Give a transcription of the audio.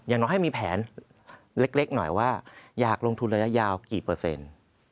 อย่างน้อยให้มีแผนเล็กหน่อยว่าอยากลงทุนระยะยาวกี่เปอร์เซ็นต์